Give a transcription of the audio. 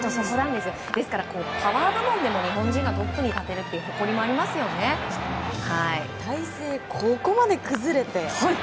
ですからパワー部門でも日本人がトップに立てるという体勢がここまで崩れて。